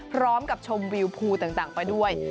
พร้อมกับชมวิวพูต่างไปด้วย